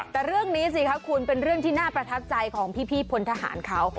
แต่เรื่องนี้สิคะคุณเป็นเรื่องที่น่าประทับใจของพี่พลทหารเขา